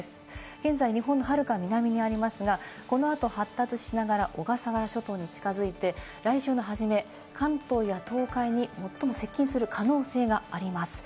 現在、日本のはるか南にありますが、このあと発達しながら小笠原諸島に近づいて来週の初め、関東や東海に最も接近する可能性があります。